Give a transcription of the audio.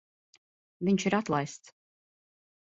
Viņš ir atlaists.